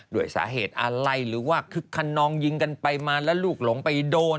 ด้วยสาเหตุอะไรหรือว่าคึกขนองยิงกันไปมาแล้วลูกหลงไปโดน